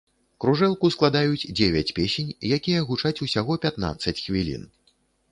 Кружэлку складаюць дзевяць песень, якія гучаць усяго пятнаццаць хвілін.